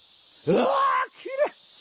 うわきれい！